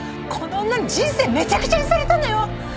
この女に人生めちゃくちゃにされたのよ！